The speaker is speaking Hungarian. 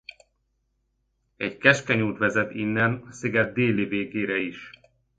Egy keskeny út vezet innen a sziget déli végére is.